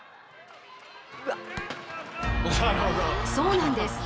そうなんです。